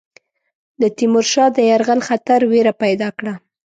د تیمور شاه د یرغل خطر وېره پیدا کړه.